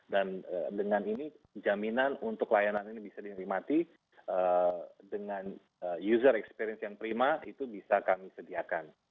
dan dengan ini jaminan untuk layanan ini bisa dinerimati dengan user experience yang prima itu bisa kami sediakan